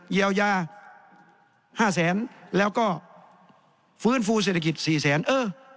เยียวยาห้าแสนแล้วก็ฟื้นฟูเศรษฐกิจ๔แสนเออ